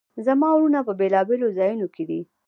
زما وروڼه په بیلابیلو ځایونو کې دي